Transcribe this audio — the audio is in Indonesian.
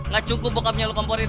gak cukup bokapnya lo komporin